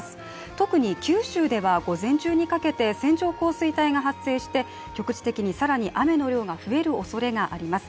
特に九州では午前中にかけて線状降水帯が発生して局地的に更に雨の量が増えるおそれがあります